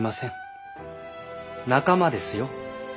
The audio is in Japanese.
仲間ですよ。